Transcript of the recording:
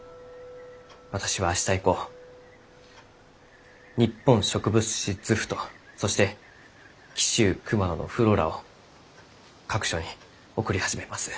私は明日以降「日本植物志図譜」とそして紀州熊野のｆｌｏｒａを各所に送り始めます。